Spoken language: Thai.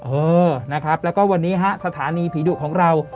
เออนะครับแล้วก็วันนี้ฮะสถานีผีดุของเรา